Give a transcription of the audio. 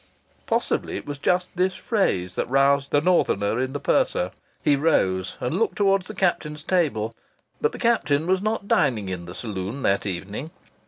Possibly it was just this phrase that roused the northerner in the purser. He rose and looked towards the captain's table. But the captain was not dining in the saloon that evening.